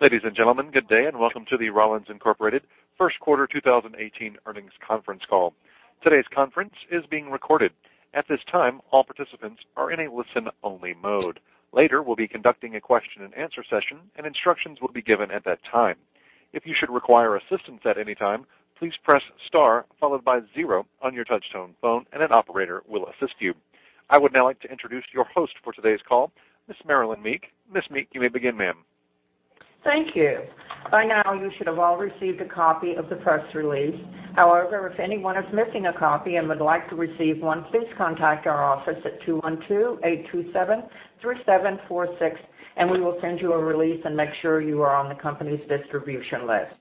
Ladies and gentlemen, good day, and welcome to the Rollins Inc first quarter 2018 earnings conference call. Today's conference is being recorded. At this time, all participants are in a listen-only mode. Later, we'll be conducting a question and answer session, and instructions will be given at that time. If you should require assistance at any time, please press star followed by zero on your touch-tone phone and an operator will assist you. I would now like to introduce your host for today's call, Ms. Marilyn Meek. Ms. Meek, you may begin, Ma'am. Thank you. By now, you should have all received a copy of the press release. However, if anyone is missing a copy and would like to receive one, please contact our office at 212-827-3746, and we will send you a release and make sure you are on the company's distribution list.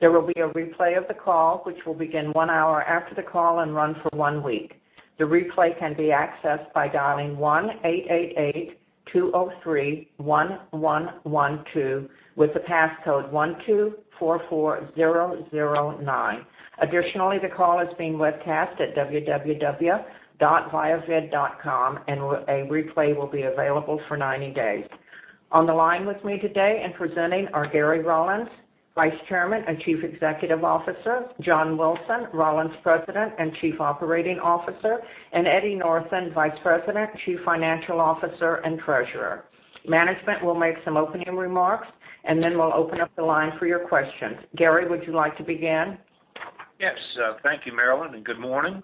There will be a replay of the call, which will begin one hour after the call and run for one week. The replay can be accessed by dialing 1-888-203-1112 with the passcode 1244009. Additionally, the call is being webcast at www.viavid.com, and a replay will be available for 90 days. On the line with me today and presenting are Gary Rollins, Vice Chairman and Chief Executive Officer, John Wilson, Rollins President and Chief Operating Officer, and Eddie Northen, Vice President, Chief Financial Officer, and Treasurer. Management will make some opening remarks, and then we'll open up the line for your questions. Gary, would you like to begin? Yes. Thank you, Marilyn, and good morning.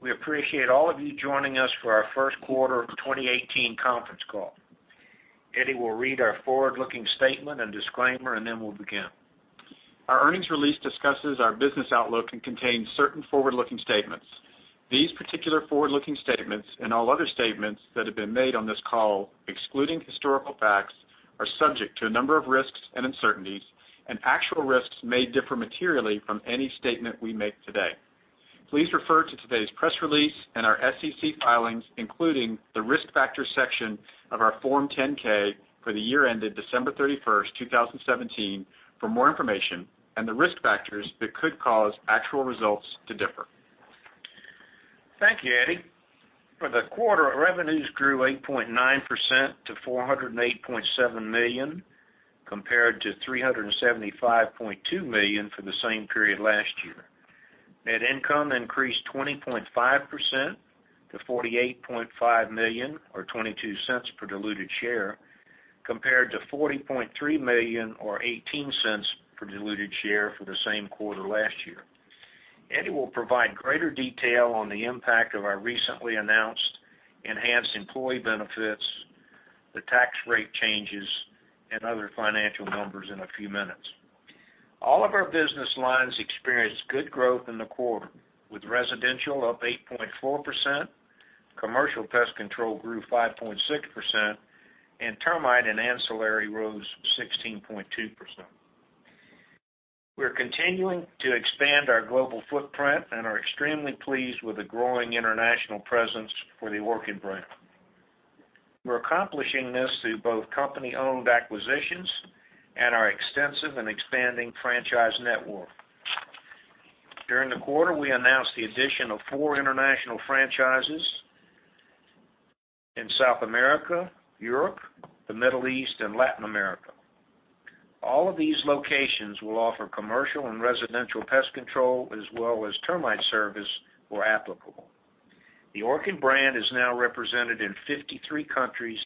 We appreciate all of you joining us for our first quarter of 2018 conference call. Eddie will read our forward-looking statement and disclaimer, and then we'll begin. Our earnings release discusses our business outlook and contains certain forward-looking statements. These particular forward-looking statements, and all other statements that have been made on this call excluding historical facts, are subject to a number of risks and uncertainties, and actual risks may differ materially from any statement we make today. Please refer to today's press release and our SEC filings, including the risk factors section of our Form 10-K for the year ended December 31st, 2017, for more information on the risk factors that could cause actual results to differ. Thank you, Eddie. For the quarter, our revenues grew 8.9% to $408.7 million, compared to $375.2 million for the same period last year. Net income increased 20.5% to $48.5 million, or $0.22 per diluted share, compared to $40.3 million or $0.18 per diluted share for the same quarter last year. Eddie will provide greater detail on the impact of our recently announced enhanced employee benefits, the tax rate changes, and other financial numbers in a few minutes. All of our business lines experienced good growth in the quarter, with residential up 8.4%, commercial pest control grew 5.6%, and termite and ancillary rose 16.2%. We're continuing to expand our global footprint and are extremely pleased with the growing international presence for the Orkin brand. We're accomplishing this through both company-owned acquisitions and our extensive and expanding franchise network. During the quarter, we announced the addition of four international franchises in South America, Europe, the Middle East, and Latin America. All of these locations will offer commercial and residential pest control, as well as termite service where applicable. The Orkin brand is now represented in 53 countries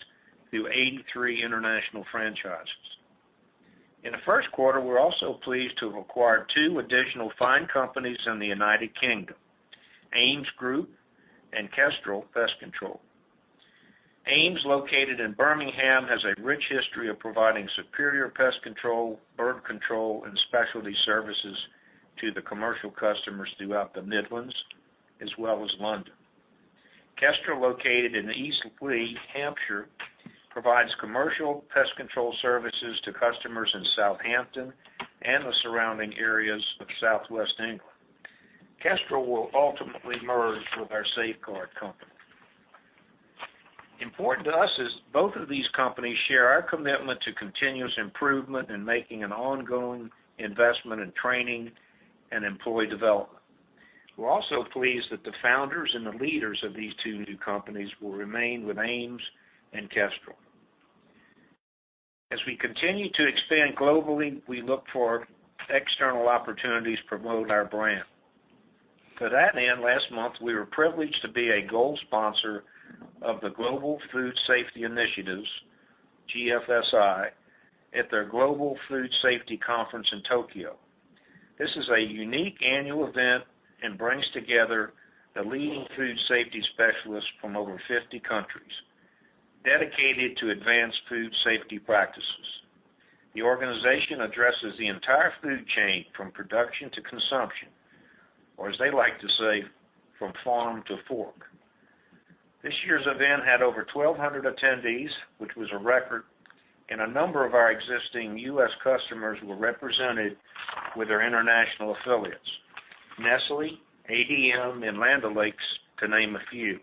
through 83 international franchises. In the first quarter, we're also pleased to have acquired two additional fine companies in the United Kingdom, AMES Group and Kestrel Pest Control. AMES, located in Birmingham, has a rich history of providing superior pest control, bird control, and specialty services to the commercial customers throughout the Midlands, as well as London. Kestrel, located in Eastleigh, Hampshire, provides commercial pest control services to customers in Southampton and the surrounding areas of Southwest England. Kestrel will ultimately merge with our Safeguard company. Important to us is both of these companies share our commitment to continuous improvement and making an ongoing investment in training and employee development. We're also pleased that the founders and the leaders of these two new companies will remain with AMES and Kestrel. As we continue to expand globally, we look for external opportunities to promote our brand. To that end, last month, we were privileged to be a gold sponsor of the Global Food Safety Initiative, GFSI, at their Global Food Safety Conference in Tokyo. This is a unique annual event, and brings together the leading food safety specialists from over 50 countries dedicated to advanced food safety practices. The organization addresses the entire food chain from production to consumption, or as they like to say, from farm to fork. This year's event had over 1,200 attendees, which was a record, and a number of our existing U.S. customers were represented with their international affiliates, Nestlé, ADM, and Land O'Lakes, to name a few.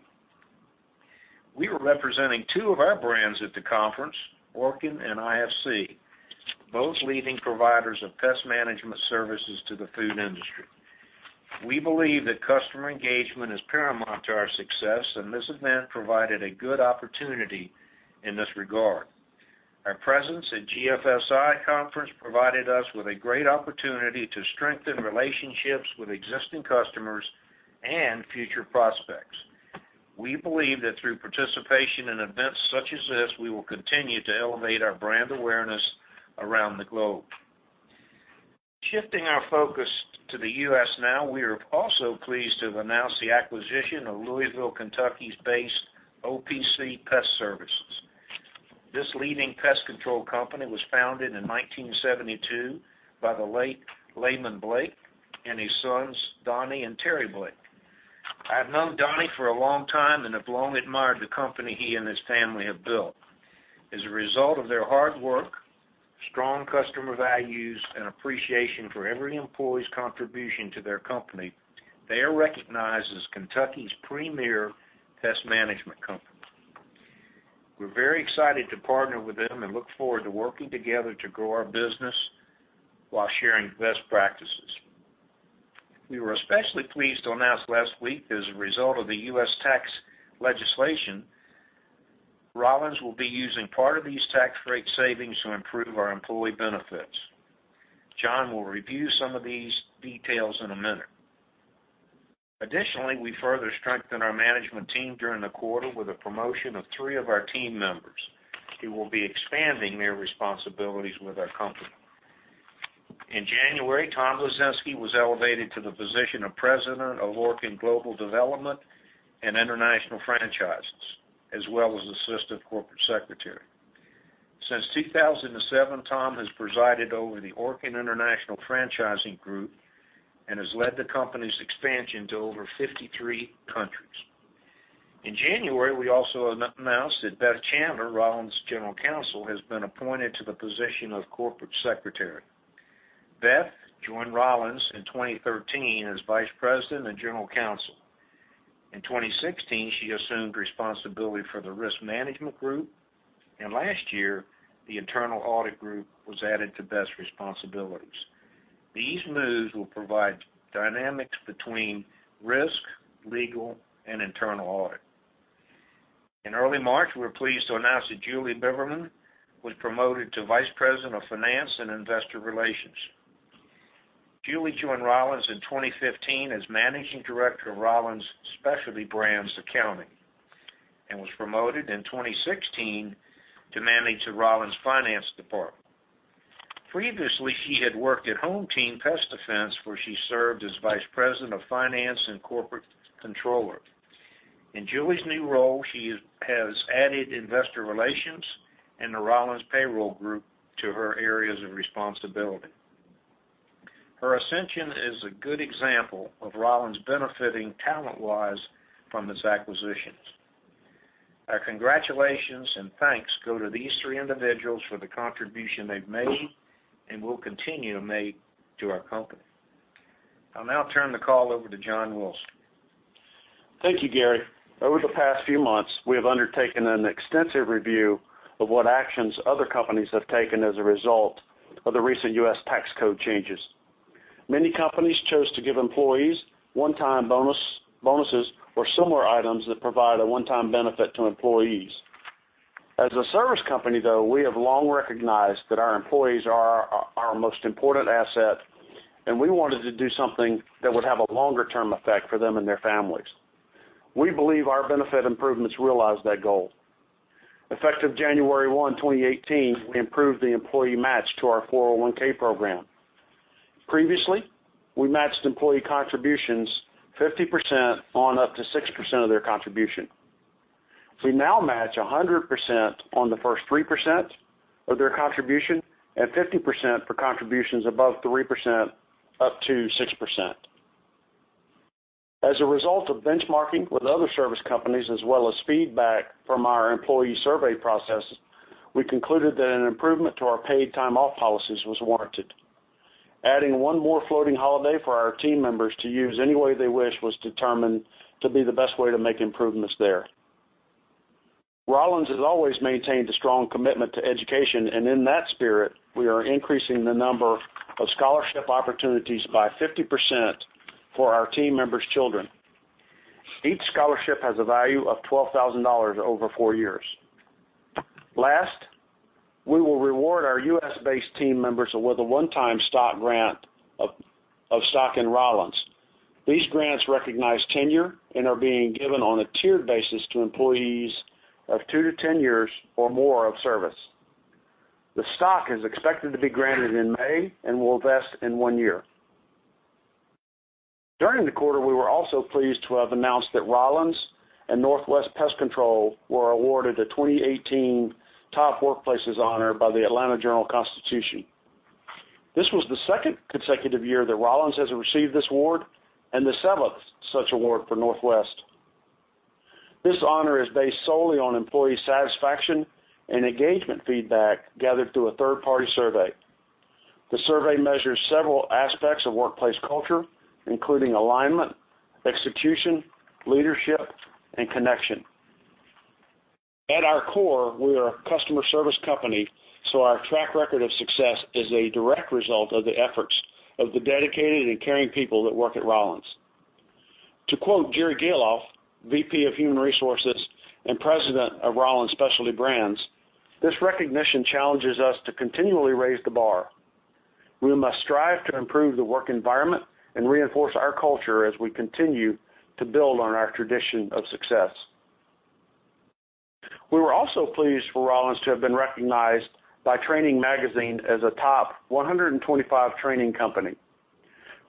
We were representing two of our brands at the conference, Orkin and IFC, both leading providers of pest management services to the food industry. We believe that customer engagement is paramount to our success, and this event provided a good opportunity in this regard. Our presence at GFSI conference provided us with a great opportunity to strengthen relationships with existing customers and future prospects. We believe that through participation in events such as this, we will continue to elevate our brand awareness around the globe. Shifting our focus to the U.S. now, we are also pleased to have announced the acquisition of Louisville, Kentucky-based OPC Pest Services. This leading pest control company was founded in 1972 by the late Lamon Blake and his sons, Donnie and Terry Blake. I've known Donnie for a long time and have long admired the company he and his family have built. As a result of their hard work, strong customer values, and appreciation for every employee's contribution to their company, they are recognized as Kentucky's premier pest management company. We're very excited to partner with them and look forward to working together to grow our business while sharing best practices. We were especially pleased to announce last week that as a result of the U.S. tax legislation, Rollins will be using part of these tax rate savings to improve our employee benefits. John will review some of these details in a minute. Additionally, we further strengthened our management team during the quarter with the promotion of three of our team members, who will be expanding their responsibilities with our company. In January, Tom Luczynski was elevated to the position of President of Orkin Global Development and International Franchising, as well as Assistant Corporate Secretary. Since 2007, Tom has presided over the Orkin International Franchising Group and has led the company's expansion to over 53 countries. In January, we also announced that Beth Chandler, Rollins General Counsel, has been appointed to the position of Corporate Secretary. Beth joined Rollins in 2013 as Vice President and General Counsel. In 2016, she assumed responsibility for the Risk Management group, and last year, the Internal Audit group was added to Beth's responsibilities. These moves will provide dynamics between risk, legal, and internal audit. In early March, we were pleased to announce that Julie Bimmerman was promoted to Vice President of Finance and Investor Relations. Julie joined Rollins in 2015 as Managing Director of Rollins Specialty Brands Accounting and was promoted in 2016 to manage the Rollins Finance Department. Previously, she had worked at HomeTeam Pest Defense, where she served as Vice President of Finance and Corporate Controller. In Julie's new role, she has added Investor Relations and the Rollins Payroll Group to her areas of responsibility. Her ascension is a good example of Rollins benefiting talent-wise from its acquisitions. Our congratulations and thanks go to these three individuals for the contribution they've made and will continue to make to our company. I'll now turn the call over to John Wilson. Thank you, Gary. Over the past few months, we have undertaken an extensive review of what actions other companies have taken as a result of the recent U.S. tax code changes. Many companies chose to give employees one-time bonuses or similar items that provide a one-time benefit to employees. As a service company, though, we have long recognized that our employees are our most important asset, and we wanted to do something that would have a longer-term effect for them and their families. We believe our benefit improvements realize that goal. Effective January 1, 2018, we improved the employee match to our 401(k) program. Previously, we matched employee contributions 50% on up to 6% of their contribution. We now match 100% on the first 3% of their contribution and 50% for contributions above 3%, up to 6%. As a result of benchmarking with other service companies, as well as feedback from our employee survey process, we concluded that an improvement to our paid time off policies was warranted. Adding one more floating holiday for our team members to use any way they wish was determined to be the best way to make improvements there. Rollins has always maintained a strong commitment to education, and in that spirit, we are increasing the number of scholarship opportunities by 50% for our team members' children. Each scholarship has a value of $12,000 over four years. Last, we will reward our U.S.-based team members with a one-time stock grant of stock in Rollins. These grants recognize tenure and are being given on a tiered basis to employees of two to 10 years or more of service. The stock is expected to be granted in May and will vest in one year. During the quarter, we were also pleased to have announced that Rollins and Northwest Pest Control were awarded a 2018 Top Workplaces honor by The Atlanta Journal-Constitution. This was the second consecutive year that Rollins has received this award and the seventh such award for Northwest. This honor is based solely on employee satisfaction and engagement feedback gathered through a third-party survey. The survey measures several aspects of workplace culture, including alignment, execution, leadership, and connection. At our core, we are a customer service company, so our track record of success is a direct result of the efforts of the dedicated and caring people that work at Rollins. To quote Jerry Gahlhoff, VP of Human Resources and President of Rollins' Specialty Brands, "This recognition challenges us to continually raise the bar. We must strive to improve the work environment and reinforce our culture as we continue to build on our tradition of success." We were also pleased for Rollins to have been recognized by Training magazine as a Top 125 training company.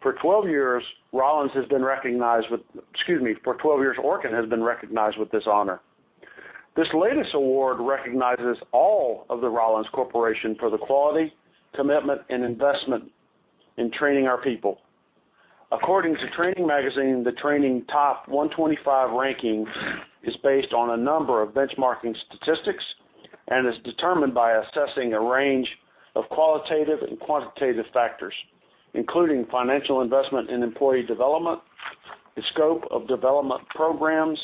For 12 years, Orkin has been recognized with this honor. This latest award recognizes all of the Rollins Corporation for the quality, commitment and investment in training our people. According to Training magazine, the Training Top 125 ranking is based on a number of benchmarking statistics, and is determined by assessing a range of qualitative and quantitative factors, including financial investment in employee development, the scope of development programs,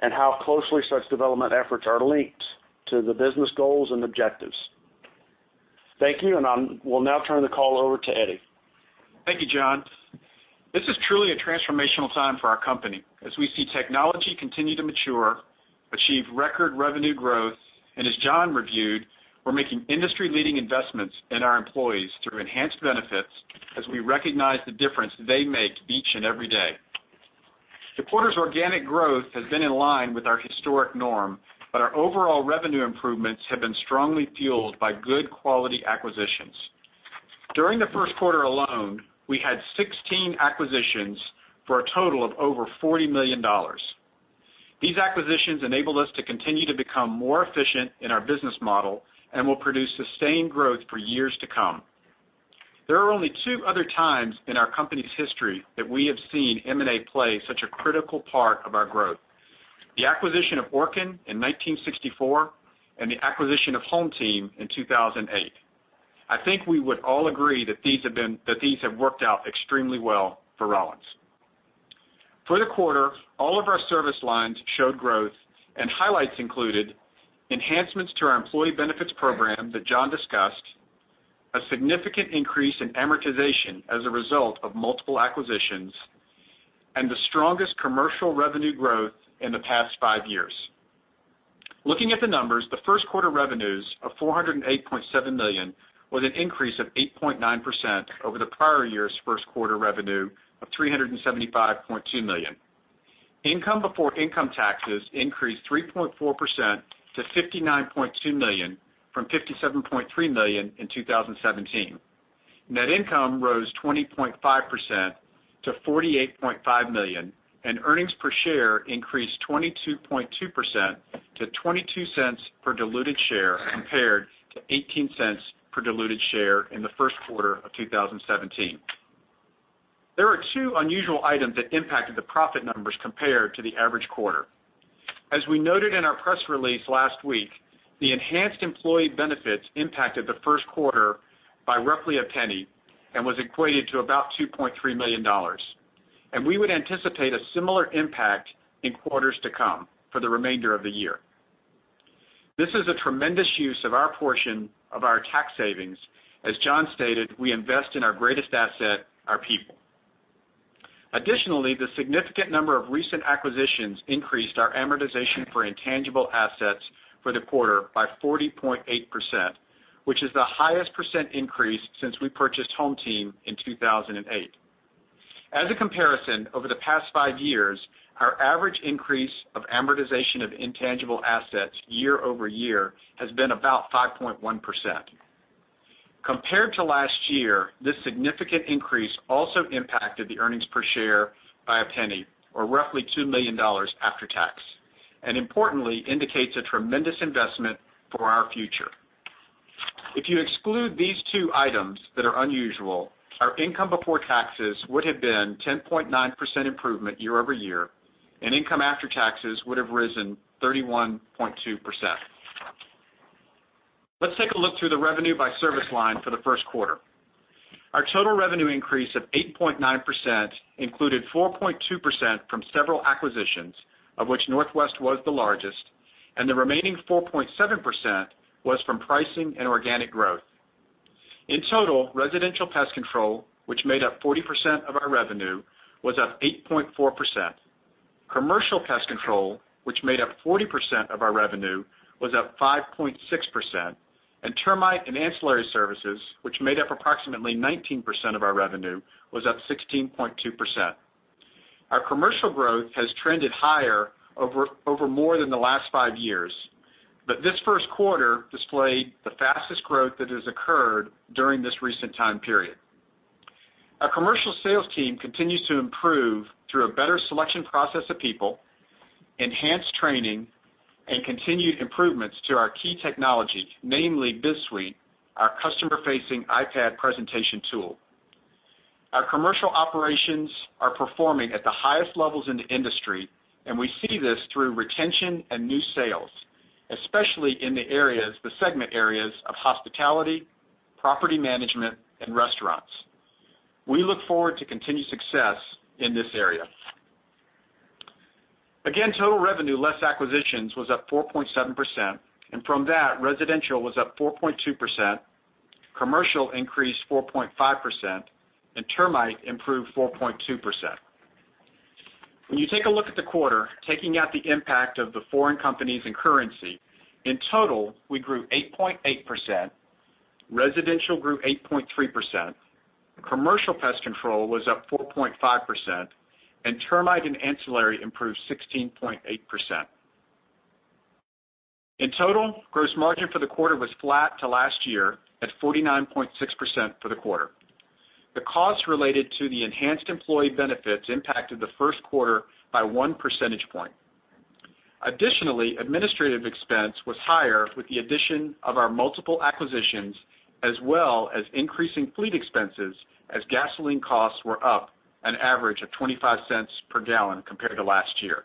and how closely such development efforts are linked to the business goals and objectives. Thank you, and we'll now turn the call over to Eddie. Thank you, John. This is truly a transformational time for our company as we see technology continue to mature, achieve record revenue growth, and as John reviewed, we're making industry-leading investments in our employees through enhanced benefits as we recognize the difference they make each and every day. The quarter's organic growth has been in line with our historic norm, but our overall revenue improvements have been strongly fueled by good-quality acquisitions. During the first quarter alone, we had 16 acquisitions for a total of over $40 million. These acquisitions enabled us to continue to become more efficient in our business model and will produce sustained growth for years to come. There are only two other times in our company's history that we have seen M&A play such a critical part of our growth. The acquisition of Orkin in 1964 and the acquisition of HomeTeam in 2008. I think we would all agree that these have worked out extremely well for Rollins. For the quarter, all of our service lines showed growth and highlights included enhancements to our employee benefits program that John discussed, a significant increase in amortization as a result of multiple acquisitions, and the strongest commercial revenue growth in the past five years. Looking at the numbers, the first quarter revenues of $408.7 million was an increase of 8.9% over the prior year's first quarter revenue of $375.2 million. Income before income taxes increased 3.4% to $59.2 million from $57.3 million in 2017. Net income rose 20.5% to $48.5 million, and earnings per share increased 22.2% to $0.22 per diluted share, compared to $0.18 per diluted share in the first quarter of 2017. There are two unusual items that impacted the profit numbers compared to the average quarter. As we noted in our press release last week, the enhanced employee benefits impacted the first quarter by roughly $0.01 and was equated to about $2.3 million. We would anticipate a similar impact in quarters to come for the remainder of the year. This is a tremendous use of our portion of our tax savings. As John stated, we invest in our greatest asset, our people. Additionally, the significant number of recent acquisitions increased our amortization for intangible assets for the quarter by 40.8%, which is the highest percent increase since we purchased HomeTeam in 2008. As a comparison, over the past five years, our average increase of amortization of intangible assets year-over-year has been about 5.1%. Compared to last year, this significant increase also impacted the earnings per share by $0.01 or roughly $2 million after tax, and importantly, indicates a tremendous investment for our future. If you exclude these two items that are unusual, our income before taxes would have been 10.9% improvement year-over-year, and income after taxes would have risen 31.2%. Let's take a look through the revenue by service line for the first quarter. Our total revenue increase of 8.9% included 4.2% from several acquisitions, of which Northwest was the largest, and the remaining 4.7% was from pricing and organic growth. In total, residential pest control, which made up 40% of our revenue, was up 8.4%. Commercial pest control, which made up 40% of our revenue, was up 5.6%, and termite and ancillary services, which made up approximately 19% of our revenue, was up 16.2%. Our commercial growth has trended higher over more than the last five years, but this first quarter displayed the fastest growth that has occurred during this recent time period. Our commercial sales team continues to improve through a better selection process of people, enhanced training, and continued improvements to our key technology, namely BizSuite, our customer-facing iPad presentation tool. Our commercial operations are performing at the highest levels in the industry, and we see this through retention and new sales, especially in the segment areas of hospitality, property management, and restaurants. We look forward to continued success in this area. Again, total revenue, less acquisitions, was up 4.7%, and from that, residential was up 4.2%, commercial increased 4.5%, and termite improved 4.2%. When you take a look at the quarter, taking out the impact of the foreign companies and currency, in total, we grew 8.8%, residential grew 8.3%, commercial pest control was up 4.5%, and termite and ancillary improved 16.8%. In total, gross margin for the quarter was flat to last year at 49.6% for the quarter. The costs related to the enhanced employee benefits impacted the first quarter by 1 percentage point. Additionally, administrative expense was higher with the addition of our multiple acquisitions, as well as increasing fleet expenses, as gasoline costs were up an average of $0.25 per gallon compared to last year.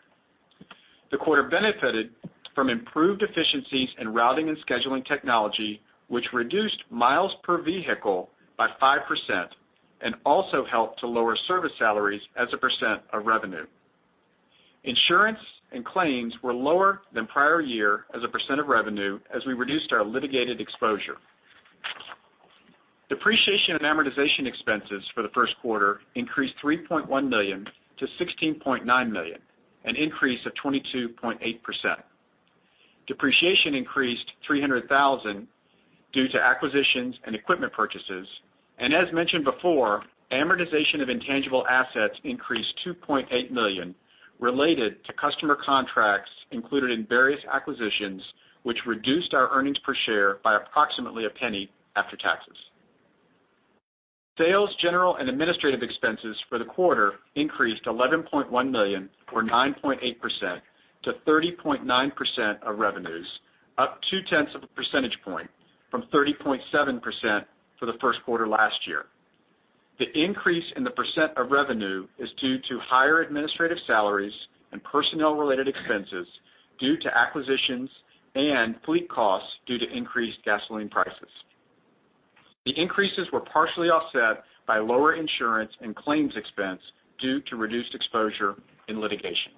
The quarter benefited from improved efficiencies in routing and scheduling technology, which reduced miles per vehicle by 5% and also helped to lower service salaries as a percent of revenue. Insurance and claims were lower than prior year as a percent of revenue as we reduced our litigated exposure. Depreciation and amortization expenses for the first quarter increased $3.1 million to $16.9 million, an increase of 22.8%. Depreciation increased $300,000 due to acquisitions and equipment purchases. As mentioned before, amortization of intangible assets increased $2.8 million related to customer contracts included in various acquisitions, which reduced our earnings per share by approximately $0.01 after taxes. Sales, general and administrative expenses for the quarter increased $11.1 million or 9.8% to 30.9% of revenues, up two-tenths of a percentage point from 30.7% for the first quarter last year. The increase in the percent of revenue is due to higher administrative salaries and personnel-related expenses due to acquisitions and fleet costs due to increased gasoline prices. The increases were partially offset by lower insurance and claims expense due to reduced exposure in litigation.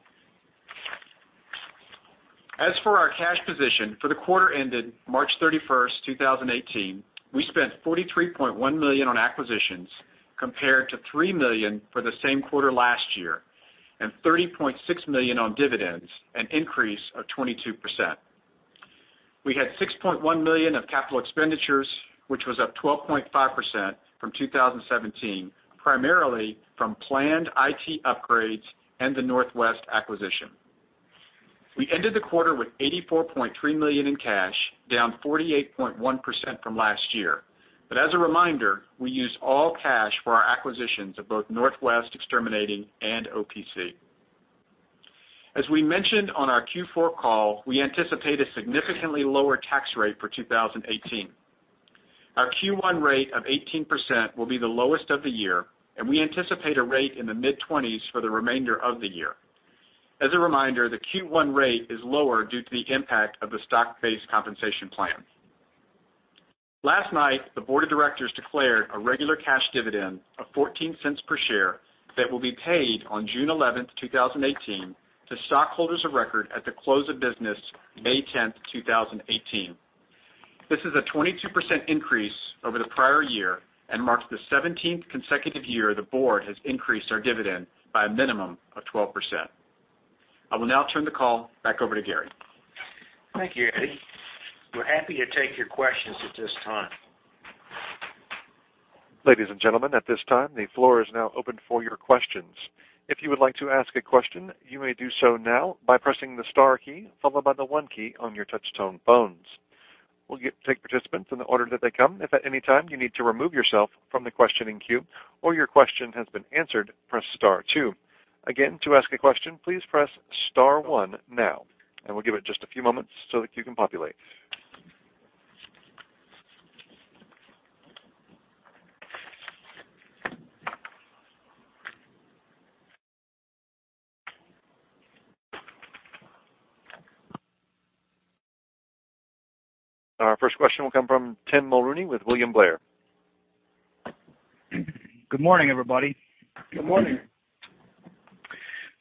As for our cash position for the quarter ended March 31st, 2018, we spent $43.1 million on acquisitions compared to $3 million for the same quarter last year and $30.6 million on dividends, an increase of 22%. We had $6.1 million of capital expenditures, which was up 12.5% from 2017, primarily from planned IT upgrades and the Northwest acquisition. We ended the quarter with $84.3 million in cash, down 48.1% from last year. As a reminder, we used all cash for our acquisitions of both Northwest Exterminating and OPC. As we mentioned on our Q4 call, we anticipate a significantly lower tax rate for 2018. Our Q1 rate of 18% will be the lowest of the year, and we anticipate a rate in the mid-20s for the remainder of the year. As a reminder, the Q1 rate is lower due to the impact of the stock-based compensation plan. Last night, the board of directors declared a regular cash dividend of $0.14 per share that will be paid on June 11th, 2018, to stockholders of record at the close of business May 10th, 2018. This is a 22% increase over the prior year and marks the 17th consecutive year the board has increased our dividend by a minimum of 12%. I will now turn the call back over to Gary. Thank you, Eddie. We're happy to take your questions at this time. Ladies and gentlemen, at this time, the floor is now open for your questions. If you would like to ask a question, you may do so now by pressing the star key followed by the one key on your touch-tone phones. We'll take participants in the order that they come. If at any time you need to remove yourself from the questioning queue or your question has been answered, press star two. Again, to ask a question, please press star one now. We'll give it just a few moments so the queue can populate. Our first question will come from Tim Mulrooney with William Blair. Good morning, everybody. Good morning.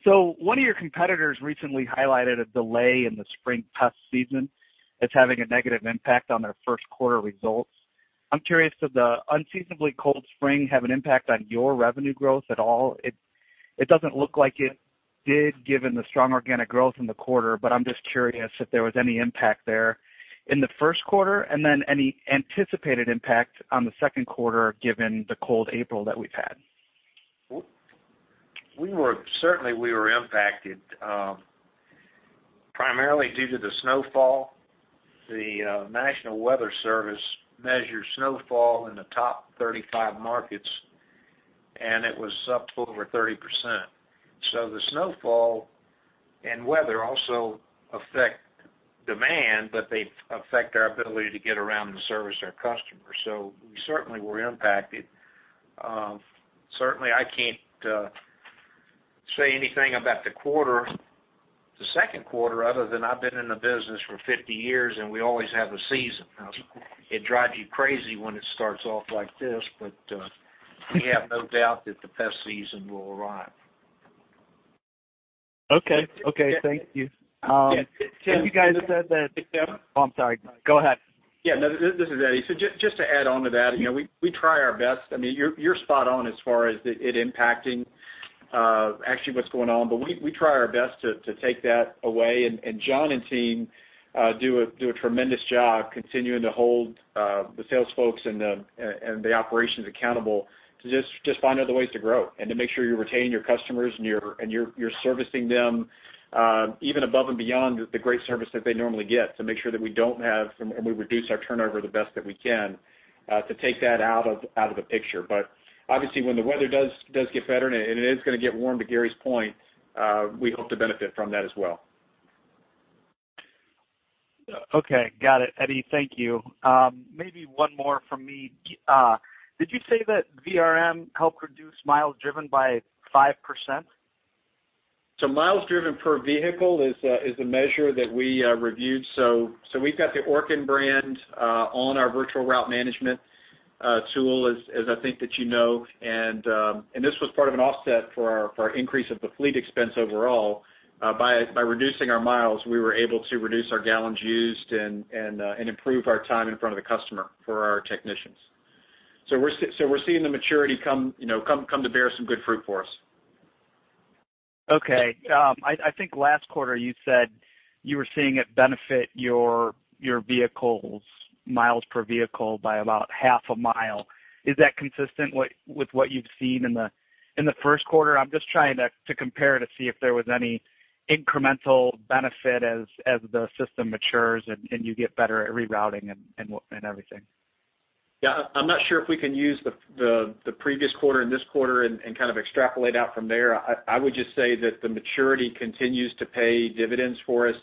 One of your competitors recently highlighted a delay in the spring pest season that's having a negative impact on their first quarter results. I'm curious, did the unseasonably cold spring have an impact on your revenue growth at all? It doesn't look like it did given the strong organic growth in the quarter, but I'm just curious if there was any impact there in the first quarter and then any anticipated impact on the second quarter given the cold April that we've had. Certainly, we were impacted primarily due to the snowfall. The National Weather Service measures snowfall in the top 35 markets, and it was up over 30%. The snowfall and weather also affect demand, but they affect our ability to get around and service our customers. We certainly were impacted. Certainly, I can't say anything about the quarter, the second quarter, other than I've been in the business for 50 years, and we always have a season. It drives you crazy when it starts off like this, but we have no doubt that the best season will arrive. Okay. Thank you. Yeah. Oh, I'm sorry. Go ahead. Yeah. No, this is Eddie. Just to add on to that, we try our best. You're spot on as far as it impacting actually what's going on, but we try our best to take that away, and John and team do a tremendous job continuing to hold the sales folks and the operations accountable to just find other ways to grow and to make sure you're retaining your customers and you're servicing them, even above and beyond the great service that they normally get to make sure that we don't have, and we reduce our turnover the best that we can, to take that out of the picture. Obviously, when the weather does get better, and it is going to get warm, to Gary's point, we hope to benefit from that as well. Okay. Got it, Eddie. Thank you. Maybe one more from me. Did you say that VRM helped reduce miles driven by 5%? Miles driven per vehicle is a measure that we reviewed. We've got the Orkin brand on our virtual route management tool, as I think that you know, and this was part of an offset for our increase of the fleet expense overall. By reducing our miles, we were able to reduce our gallons used and improve our time in front of the customer for our technicians. We're seeing the maturity come to bear some good fruit for us. Okay. I think last quarter you said you were seeing it benefit your vehicles, miles per vehicle, by about half a mile. Is that consistent with what you've seen in the first quarter? I'm just trying to compare to see if there was any incremental benefit as the system matures and you get better at rerouting and everything. Yeah. I'm not sure if we can use the previous quarter and this quarter and kind of extrapolate out from there. I would just say that the maturity continues to pay dividends for us.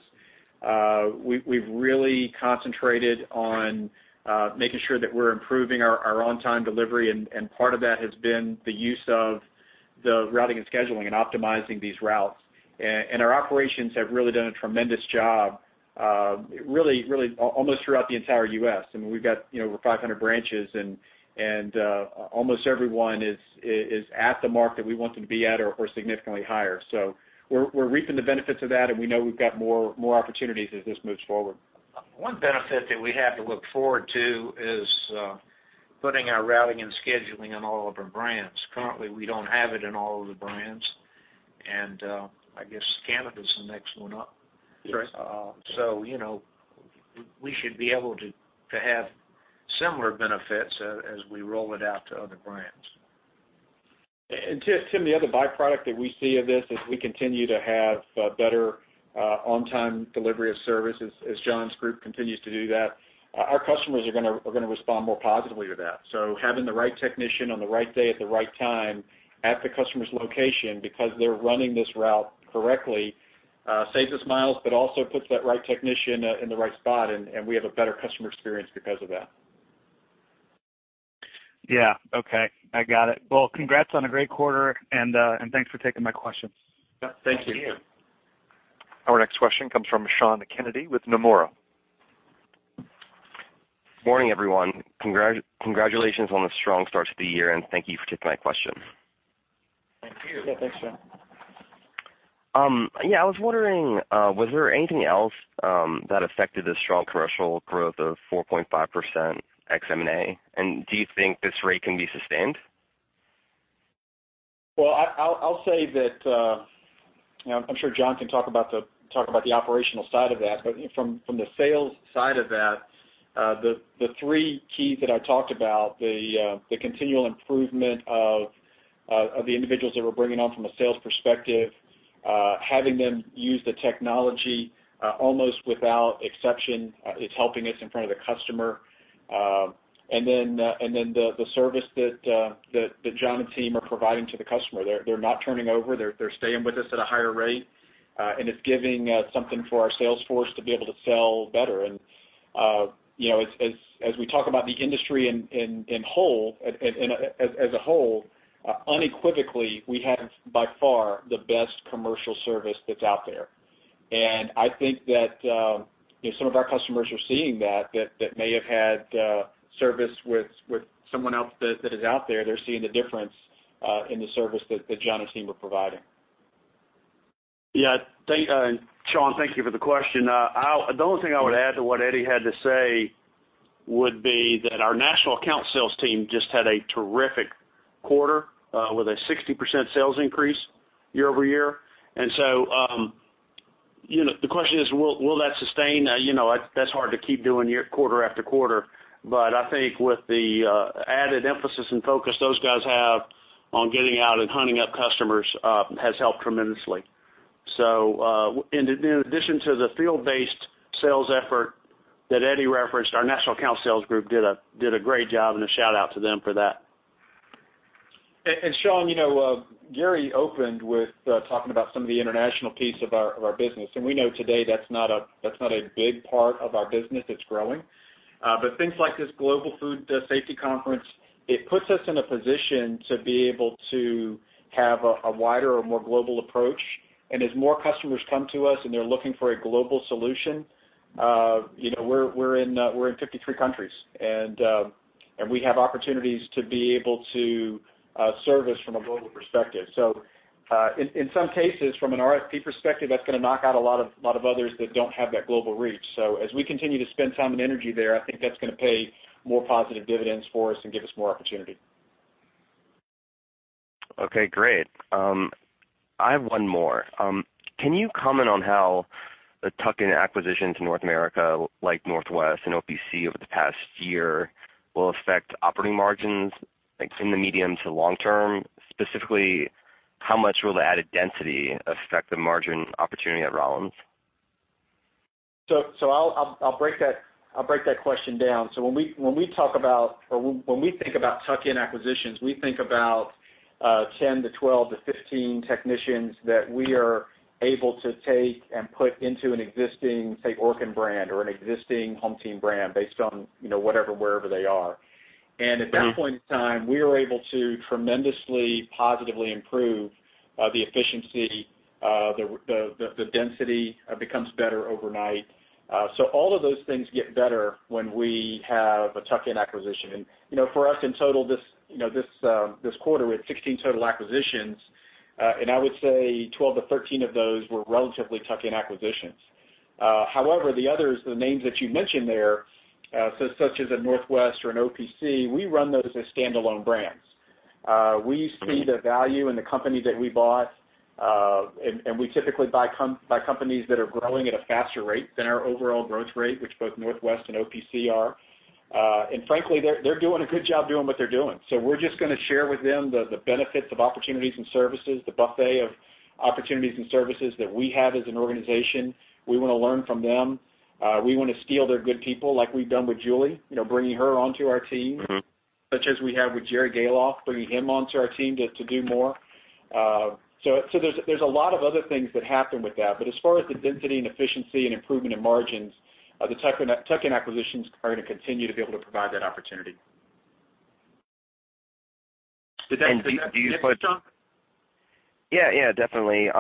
We've really concentrated on making sure that we're improving our on-time delivery, and part of that has been the use of the routing and scheduling and optimizing these routes. Our operations have really done a tremendous job, really almost throughout the entire U.S. We've got over 500 branches, and almost everyone is at the mark that we want them to be at or significantly higher. We're reaping the benefits of that, and we know we've got more opportunities as this moves forward. One benefit that we have to look forward to is putting our routing and scheduling on all of our brands. Currently, we don't have it in all of the brands, and I guess Canada's the next one up. Sure. We should be able to have similar benefits as we roll it out to other brands. Tim, the other byproduct that we see of this is we continue to have better on-time delivery of services as John's group continues to do that. Our customers are going to respond more positively to that. Having the right technician on the right day at the right time at the customer's location because they're running this route correctly, saves us miles, but also puts that right technician in the right spot, and we have a better customer experience because of that. Yeah. Okay. I got it. Well, congrats on a great quarter, and thanks for taking my questions. Yeah. Thank you. Thank you. Our next question comes from Sean Kennedy with Nomura. Morning, everyone. Congratulations on the strong start to the year, and thank you for taking my question. Thank you. Yeah. Thanks, Sean. Yeah, I was wondering, was there anything else that affected the strong commercial growth of 4.5% ex M&A? Do you think this rate can be sustained? Well, I'll say that, I'm sure John can talk about the operational side of that, but from the sales side of that, the three keys that I talked about, the continual improvement of the individuals that we're bringing on from a sales perspective, having them use the technology, almost without exception, is helping us in front of the customer. The service that John and team are providing to the customer, they're not turning over. They're staying with us at a higher rate. It's giving something for our sales force to be able to sell better. As we talk about the industry as a whole, unequivocally, we have, by far, the best commercial service that's out there. I think that some of our customers are seeing that may have had service with someone else that is out there. They're seeing the difference in the service that John and team are providing. Yeah. Sean, thank you for the question. The only thing I would add to what Eddie had to say would be that our national account sales team just had a terrific quarter, with a 60% sales increase year-over-year. The question is, will that sustain? That's hard to keep doing quarter after quarter. I think with the added emphasis and focus those guys have on getting out and hunting up customers, has helped tremendously. In addition to the field-based sales effort that Eddie referenced, our national account sales group did a great job, and a shout-out to them for that. Sean, Gary opened with talking about some of the international piece of our business, and we know today that's not a big part of our business. It's growing. Things like this Global Food Safety Conference, it puts us in a position to be able to have a wider or more global approach. As more customers come to us and they're looking for a global solution, we're in 53 countries, and we have opportunities to be able to service from a global perspective. In some cases, from an RFP perspective, that's going to knock out a lot of others that don't have that global reach. As we continue to spend time and energy there, I think that's going to pay more positive dividends for us and give us more opportunity. Okay, great. I have one more. Can you comment on how the tuck-in acquisitions in North America, like Northwest and OPC over the past year, will affect operating margins in the medium to long term? Specifically, how much will the added density affect the margin opportunity at Rollins? I'll break that question down. When we think about tuck-in acquisitions, we think about 10 to 12 to 15 technicians that we are able to take and put into an existing, say, Orkin brand or an existing HomeTeam brand based on wherever they are. At that point in time, we are able to tremendously, positively improve the efficiency. The density becomes better overnight. All of those things get better when we have a tuck-in acquisition. For us, in total, this quarter, we had 16 total acquisitions, and I would say 12-13 of those were relatively tuck-in acquisitions. However, the others, the names that you mentioned there, such as a Northwest or an OPC, we run those as standalone brands. We see the value in the company that we bought, and we typically buy companies that are growing at a faster rate than our overall growth rate, which both Northwest and OPC are. Frankly, they're doing a good job doing what they're doing. We're just going to share with them the benefits of opportunities and services, the buffet of opportunities and services that we have as an organization. We want to learn from them. We want to steal their good people, like we've done with Julie, bringing her onto our team. Such as we have with Jerry Gahlhoff, bringing him onto our team to do more. There's a lot of other things that happen with that. As far as the density and efficiency and improvement in margins, the tuck-in acquisitions are going to continue to be able to provide that opportunity. Did that answer your question, Sean? Yeah, definitely.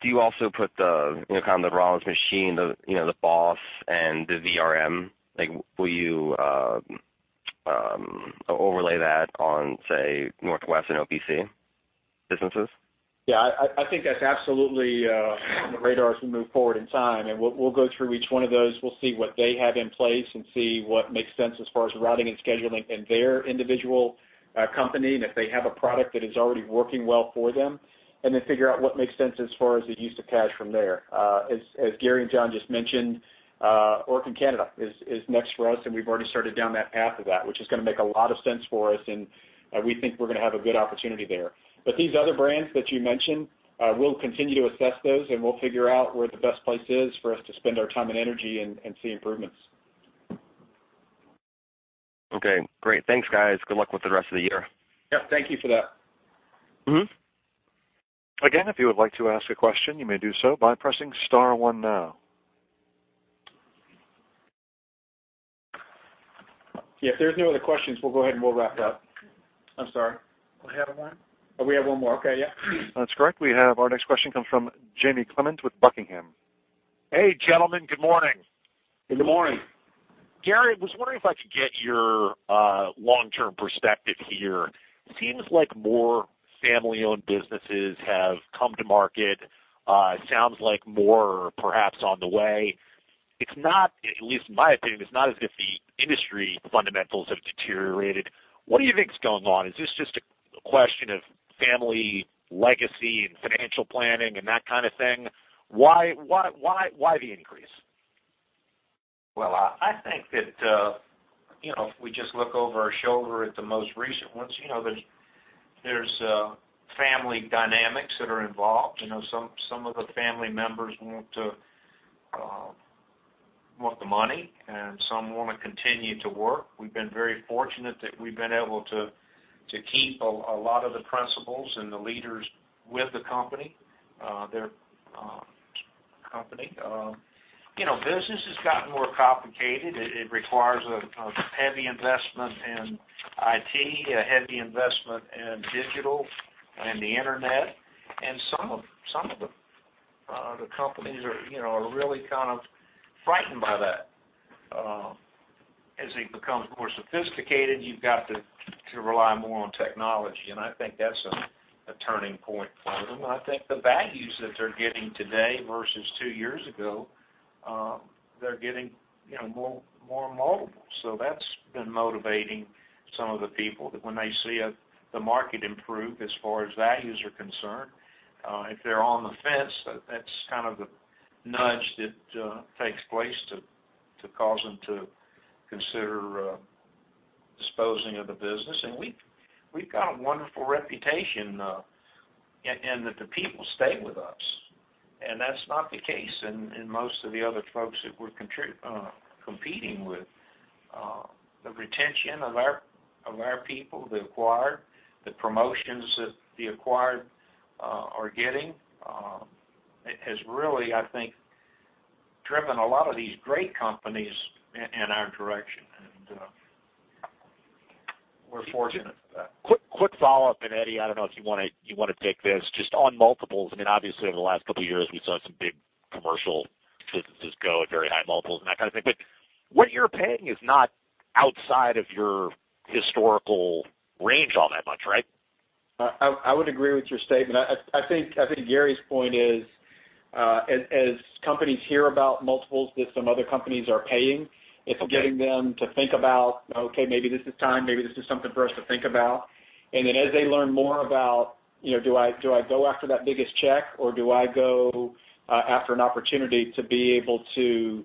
Do you also put the Rollins machine, the BOSS and the VRM, will you overlay that on, say, Northwest and OPC businesses? Yeah, I think that's absolutely on the radar as we move forward in time, and we'll go through each one of those. We'll see what they have in place and see what makes sense as far as routing and scheduling in their individual company and if they have a product that is already working well for them, and then figure out what makes sense as far as the use of cash from there. As Gary and John just mentioned, Orkin Canada is next for us, and we've already started down that path of that, which is going to make a lot of sense for us, and we think we're going to have a good opportunity there. These other brands that you mentioned, we'll continue to assess those, and we'll figure out where the best place is for us to spend our time and energy and see improvements. Okay, great. Thanks, guys. Good luck with the rest of the year. Yep. Thank you for that. Again, if you would like to ask a question, you may do so by pressing star one now. If there's no other questions, we'll go ahead, and we'll wrap up. I'm sorry. We have one. Oh, we have one more. Okay, yeah. That's correct. We have our next question comes from Jamie Clement with Buckingham. Hey, gentlemen. Good morning. Good morning. Gary, was wondering if I could get your long-term perspective here. Seems like more family-owned businesses have come to market. Sounds like more perhaps on the way. At least in my opinion, it's not as if the industry fundamentals have deteriorated. What do you think is going on? Is this just a question of family legacy and financial planning and that kind of thing? Why the increase? I think that if we just look over our shoulder at the most recent ones, there's family dynamics that are involved. Some of the family members want the money, and some want to continue to work. We've been very fortunate that we've been able to keep a lot of the principals and the leaders with the company. Business has gotten more complicated. It requires a heavy investment in IT, a heavy investment in digital and the Internet, and some of the companies are really kind of frightened by that. As it becomes more sophisticated, you've got to rely more on technology, and I think that's a turning point for them. I think the values that they're getting today versus two years ago, they're getting more and more. That's been motivating some of the people that when they see the market improve as far as values are concerned, if they're on the fence, that's kind of the nudge that takes place to cause them to consider disposing of the business. We've got a wonderful reputation in that the people stay with us, and that's not the case in most of the other folks that we're competing with. The retention of our people, the acquired, the promotions that the acquired are getting, has really, I think, driven a lot of these great companies in our direction, and we're fortunate for that. Quick follow-up, and Eddie, I don't know if you want to take this, just on multiples. I mean, obviously, over the last couple of years, we saw some big commercial businesses go at very high multiples and that kind of thing. What you're paying is not outside of your historical range all that much, right? I would agree with your statement. I think Gary's point is, as companies hear about multiples that some other companies are paying, it's getting them to think about, okay, maybe this is time, maybe this is something for us to think about. As they learn more about, do I go after that biggest check, or do I go after an opportunity to be able to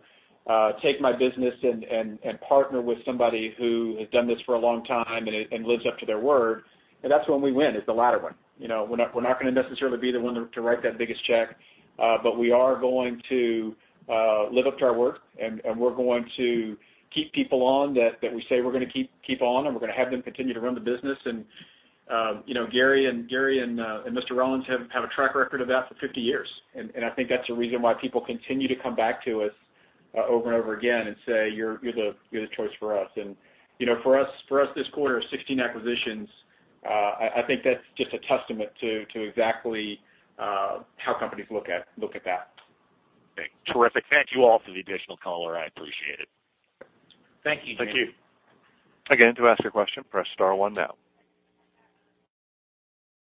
take my business and partner with somebody who has done this for a long time and lives up to their word? That's when we win, is the latter one. We're not going to necessarily be the one to write that biggest check, but we are going to live up to our word, and we're going to keep people on that we say we're going to keep on, and we're going to have them continue to run the business. Gary and Mr. Rollins have a track record of that for 50 years, and I think that's a reason why people continue to come back to us over and over again and say, "You're the choice for us." For us this quarter, 16 acquisitions, I think that's just a testament to exactly how companies look at that. Terrific. Thank you all for the additional color. I appreciate it. Thank you. Thank you. To ask your question, press star one now.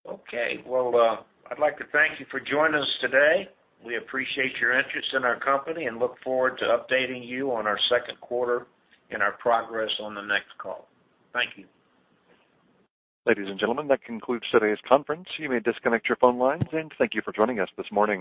Okay, well, I'd like to thank you for joining us today. We appreciate your interest in our company and look forward to updating you on our second quarter and our progress on the next call. Thank you. Ladies and gentlemen, that concludes today's conference. You may disconnect your phone lines. Thank you for joining us this morning.